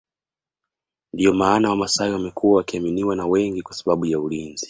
Ndio maana wamasai wamekuwa wakiaminiwa na wengi kwa sababu ya ulinzi